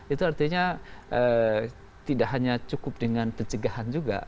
itu artinya tidak hanya cukup dengan pencegahan juga